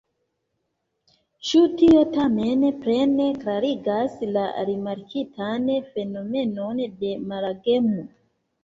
Ĉu tio tamen plene klarigas la rimarkitan fenomenon de malagemo?